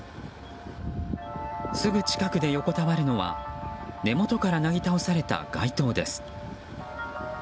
すぐ近くで横たわるのは根元からなぎ倒された街灯です。